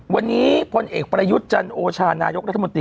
วันนี้พนเอกประยุจจันทร์โอชารณายกรัฐมนตรี